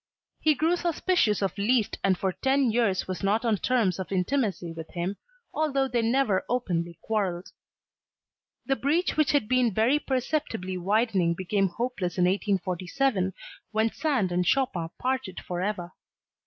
He grew suspicious of Liszt and for ten years was not on terms of intimacy with him although they never openly quarrelled. The breach which had been very perceptibly widening became hopeless in 1847, when Sand and Chopin parted forever.